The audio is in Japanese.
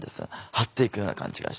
張っていくような感じがして。